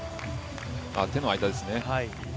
手の間ですね。